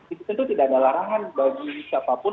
itu tentu tidak ada larangan bagi siapapun